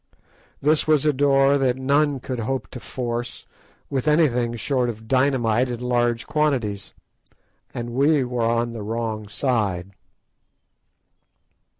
This was a door that none could hope to force with anything short of dynamite in large quantities. And we were on the wrong side!